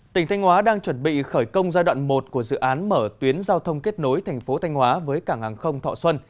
tỉnh thanh hóa đang chuẩn bị khởi công giai đoạn một của dự án mở tuyến giao thông kết nối thành phố thanh hóa với cảng hàng không thọ xuân